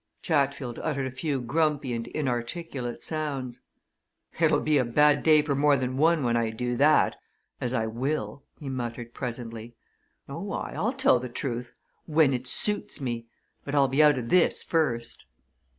Chatfield uttered a few grumpy and inarticulate sounds. "It'll be a bad day for more than one when I do that as I will," he muttered presently. "Oh aye, I 'll tell the truth when it suits me! But I'll be out o' this first."